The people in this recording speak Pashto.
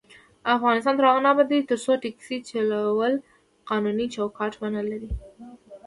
افغانستان تر هغو نه ابادیږي، ترڅو ټکسي چلول قانوني چوکاټ ونه لري.